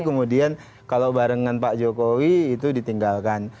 kemudian kalau bareng dengan pak jokowi itu ditinggalkan